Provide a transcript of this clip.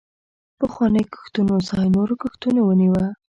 پخوانیو کښتونو ځای نورو کښتونو ونیوه.